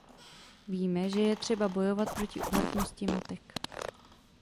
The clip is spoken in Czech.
Víme, že je třeba bojovat proti úmrtnosti matek.